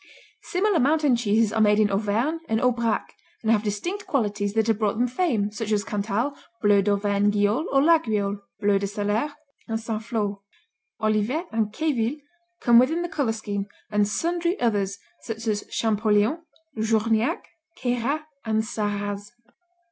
Similar mountain cheeses are made in Auvergne and Aubrac and have distinct qualities that have brought them fame, such as Cantal, bleu d'Auvergne Guiole or Laguiole, bleu de Salers, and St. Flour. Olivet and Queville come within the color scheme, and sundry others such as Champoléon, Journiac, Queyras and Sarraz.